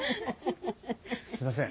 すいません。